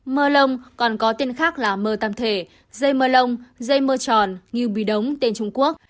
mơ lông còn có tên khác là mơ tâm thể dây mơ lông dây mưa tròn như bì đống tên trung quốc